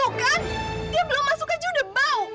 tuh kan dia belum masuk aja udah bau